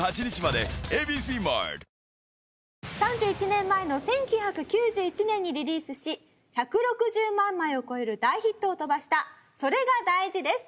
３１年前の１９９１年にリリースし１６０万枚を超える大ヒットを飛ばした『それが大事』です。